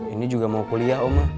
ini juga mau kuliah oma